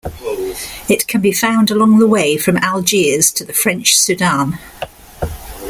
It can be found along the way from Algiers to the French Sudan.